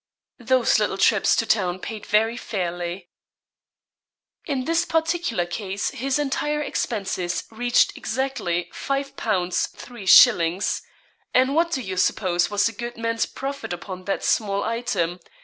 Those little trips to town paid very fairly. In this particular case his entire expenses reached exactly £5 3_s._, and what do you suppose was the good man's profit upon that small item?